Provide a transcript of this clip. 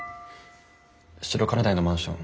白金台のマンション